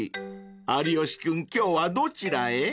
有吉君今日はどちらへ？］